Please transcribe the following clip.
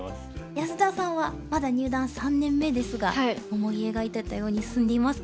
安田さんはまだ入段３年目ですが思い描いてたように進んでいますか？